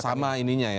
tidak sama ininya ya